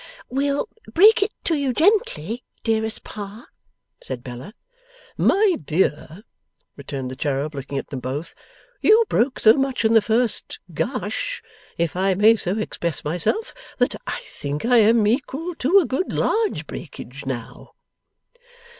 'We'll break it to you gently, dearest Pa,' said Bella. 'My dear,' returned the cherub, looking at them both, 'you broke so much in the first Gush, if I may so express myself that I think I am equal to a good large breakage now.